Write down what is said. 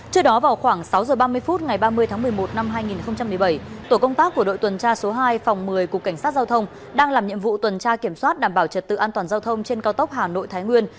trước đó vào khoảng sáu h ba mươi phút ngày ba mươi tháng một mươi một năm hai nghìn một mươi bảy tổ công tác của đội tuần tra số hai phòng một mươi cục cảnh sát giao thông đang làm nhiệm vụ tuần tra kiểm soát đảm bảo trật tự an toàn giao thông trên cao tốc hà nội thái nguyên